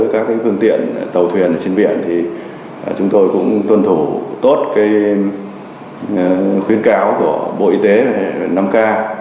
các phương tiện tàu thuyền trên biển thì chúng tôi cũng tuân thủ tốt khuyến cáo của bộ y tế năm k